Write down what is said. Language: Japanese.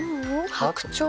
白鳥？